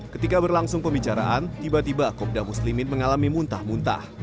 ketika berlangsung pembicaraan tiba tiba kopda muslimin mengalami muntah muntah